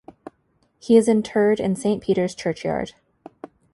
He is interred in Saint Peter's Churchyard.